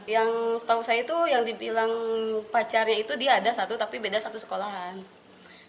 yang setahu saya itu yang dibilang pacarnya itu dia ada satu tapi beda satu sekolahan